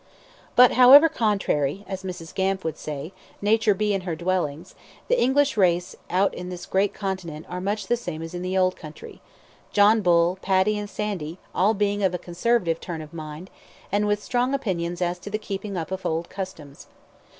But however contrary, as Mrs. Gamp would say, Nature may be in her dealings, the English race out in this great continent are much the same as in the old country John Bull, Paddy, and Sandy, all being of a conservative turn of mind, and with strong opinions as to the keeping up of old customs.